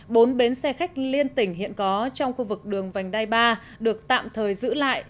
bốn bến xe khách liên tỉnh hiện có trong khu vực đường vành đai ba được tạm thời giữ lại